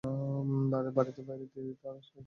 বাড়িতে বাইরে তিনি তার সাহচর্য অবলম্বন করতেন।